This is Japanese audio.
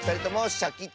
シャキット！